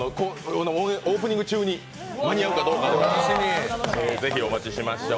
オープニング中に間に合うかどうかぜひお待ちしましょう。